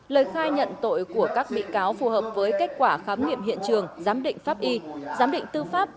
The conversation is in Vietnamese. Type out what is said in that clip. lời khai nhận tội của các bị cáo phù hợp với kết quả khám nghiệm hiện trường giám định pháp y giám định tư pháp